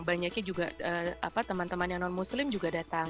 banyaknya juga teman teman yang non muslim juga datang